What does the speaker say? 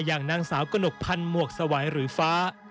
อย่างนางสาวกนกพันมวกสวายหรือฟ้า